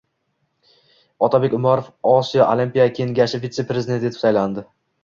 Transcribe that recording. Otabek Umarov Osiyo Olimpiya Kengashi vitse-prezidenti etib saylandi